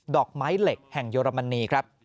อกไม้เหล็กแห่งเยอรมนีครับ